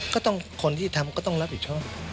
ก็ต้องคนที่ทำก็ต้องรับผิดชอบ